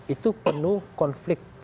itu penuh konflik